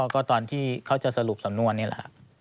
ก็ตอนที่เขาจะสรุปสำนวนนี่แหละครับ